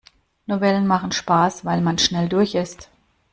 Novellen machen Spaß, weil man schnell durch ist.